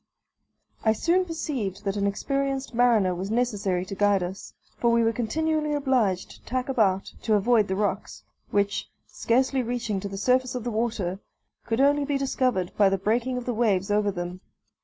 I soon perceived that an experienced mariner was necessary to guide us, for we were continually obliged to tack about, to avoid the rocks, which, scarcely reaching to the surface of the water, could only be discovered by the breaking of the waves over them.